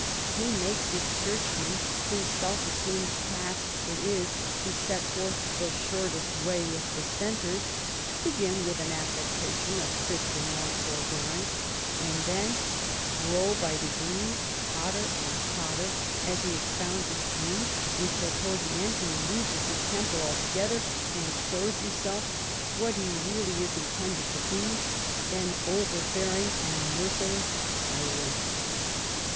He makes his churchman, whose self assumed task it is to set forth the shortest 7S THE REIGN OF QUEEN ANNE way with Dissenters, begin witH an affectation of Christian like forbearance; and then grow by degrees hotter and hotter as he expounds his views, until towards the end he loses his temper altogether and shows him self, what he is really intended to be, an overbearing and merciless tyrant.